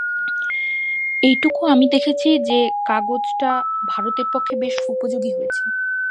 এইটুকু আমি দেখছি যে, কাগজটা ভারতের পক্ষে বেশ উপযোগী হয়েছে।